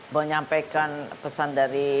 menyampaikan pesan dari